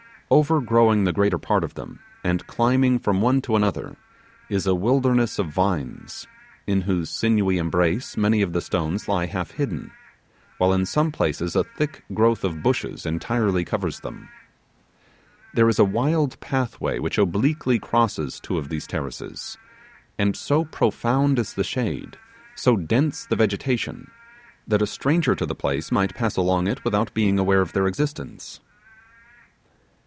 Overgrowing the greater part of them, and climbing from one to another, is a wilderness of vines, in whose sinewy embrace many of the stones lie half hidden, while in some places a thick growth of bushes entirely covers them. There is a wild pathway which obliquely crosses two of these terraces; and so profound is the shade, so dense the vegetation, that a stranger to the place might pass along it without being aware of their existence.